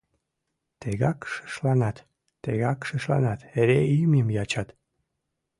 Тегак шишланат, тегак шишланат, эре имньым ячат!